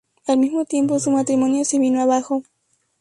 Al mismo tiempo, su matrimonio se vino abajo.